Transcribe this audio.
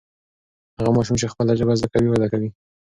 هغه ماشوم چې خپله ژبه زده کوي وده کوي.